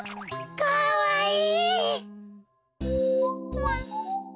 かわいい！